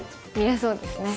そうですね。